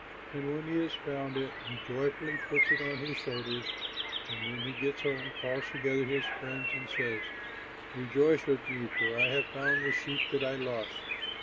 And when he has found it, he joyfully puts it on his shoulders and when he gets home calls together his friends and says, 'Rejoice with me, for I have found the sheep that I lost.'